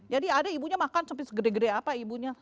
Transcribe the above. jadi ada ibunya makan sampai segede gede apa ibunya